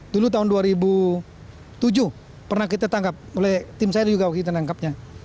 dulu tahun dua ribu tujuh pernah kita tangkap oleh tim saya juga waktu kita nangkapnya